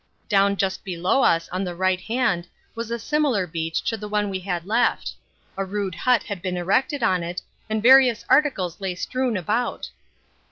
Down just below us on the right hand was a similar beach to the one that we had left. A rude hut had been erected on it and various articles lay strewn about.